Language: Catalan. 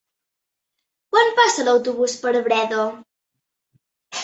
Quan passa l'autobús per Breda?